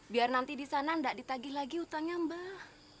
biar nanti di sana tidak ditagih lagi utangnya mbak